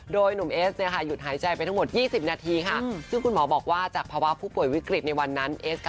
โดยหนุ่มเอสเนี่ยค่ะหยุดหายใจไปทั้งหมด๒๐นาทีค่ะซึ่งคุณหมอบอกว่าจากภาวะผู้ป่วยวิกฤตในวันนั้น